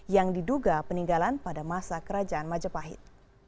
yang diduga peninggalan pada masa kerajaan majapahit